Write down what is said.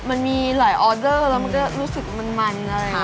มันมีหลายออเดอร์แล้วมันก็รู้สึกมันเลย